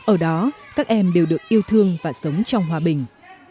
ở đó các em đều được yêu thương và sống trong hòa bình